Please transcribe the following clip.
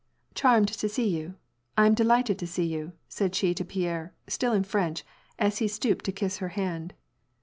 " Charmed to see you. I am delighted to see you," said she to Pierre, still in French, as he stooped to kiss her hand.